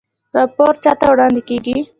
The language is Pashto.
راپور چا ته وړاندې کیږي؟